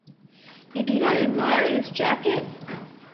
You do not admire this jacket?